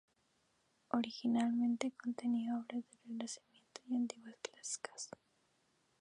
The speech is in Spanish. Originalmente contenía obras del Renacimiento y antigüedades clásicas.